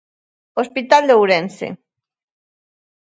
Hospital de Ourense.